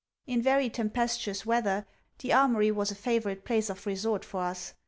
In very tempestuous weather, the Armoury was a favourite place of resort for us.